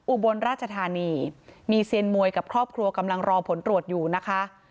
อุบลราชธานีมีเซียนมวยกับครอบครัวกำลังรอผลตรวจอยู่นะคะ